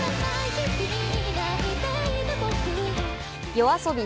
ＹＯＡＳＯＢＩ